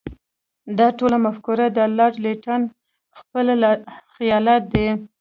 دا ټوله مفکوره د لارډ لیټن خپل خیالات دي.